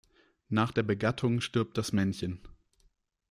Nach der Begattung stirbt das Männchen.